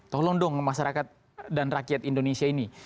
tolong dong masyarakat dan rakyat indonesia ini